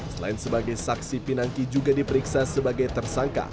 selain sebagai saksi pinangki juga diperiksa sebagai tersangka